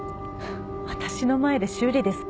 私の前で修理ですか。